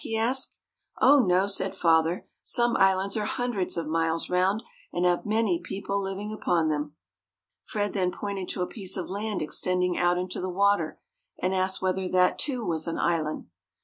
he asked. "Oh, no!" said father. "Some islands are hundreds of miles round, and have many people living upon them." Fred then pointed to a piece of land extending out into the water, and asked whether that, too, was an island.